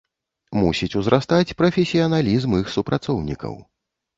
Мусіць узрастаць прафесіяналізм іх супрацоўнікаў.